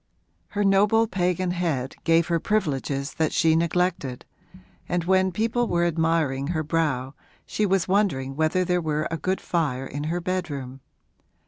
Her noble pagan head gave her privileges that she neglected, and when people were admiring her brow she was wondering whether there were a good fire in her bedroom.